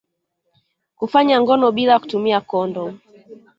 Kufanya ngono bila ya kutumia kondomu